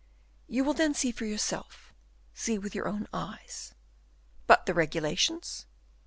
"You will then see for yourself see with your own eyes." "But the regulations?"